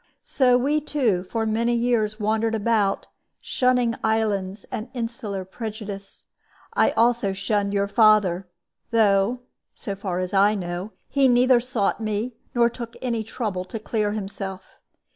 So we two for many years wandered about, shunning islands and insular prejudice. I also shunned your father, though (so far as I know) he neither sought me nor took any trouble to clear himself.